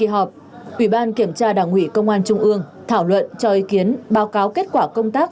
họp ủy ban kiểm tra đảng ủy công an trung ương thảo luận cho ý kiến báo cáo kết quả công tác